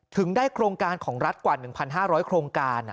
ถึงได้โครงการของรัฐกว่า๑๕๐๐โครงการ